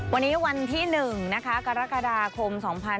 วันนี้วันที่๑กรกฎาคม๒๕๖๑